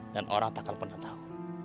dan orang tak akan pernah tahu